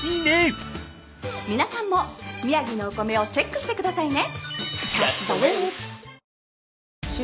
皆さんも宮城のお米をチェックしてくださいね。